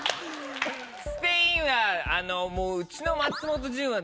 スペインはもううちの松本潤は。